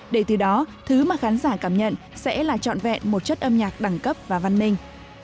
để từ đó thứ mà khán giả cảm nhận sẽ là trọn vẹn một chất âm nhạc đẳng cấp và văn minh